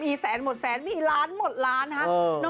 มีแสนหมดแสนมีล้านหมดล้านฮะ